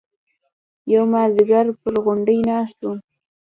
يو مازديگر پر غونډۍ ناست وم.